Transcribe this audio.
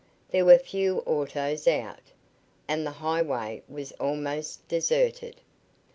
There were few autos out, and the highway was almost deserted.